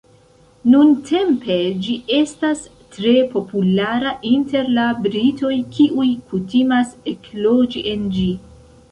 Nuntempe ĝi estas tre populara inter la britoj kiuj kutimas ekloĝi en ĝi.